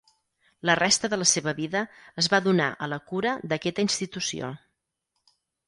La resta de la seva vida es va donar a la cura d'aquesta institució.